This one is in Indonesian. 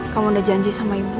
kamu udah janji sama ibu